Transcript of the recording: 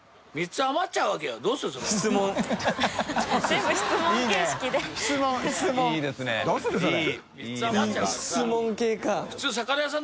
３つ余っちゃうからさ。